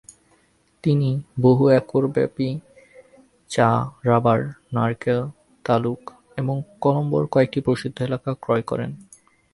তিনি বহু-একরব্যাপী চা, রাবার, নারকেল তালুক এবং কলম্বোর কয়েকটি প্রসিদ্ধ এলাকা ক্রয় করেন।